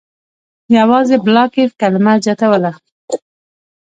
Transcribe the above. یوازې «بلاکیف» کلمه زیاتوله.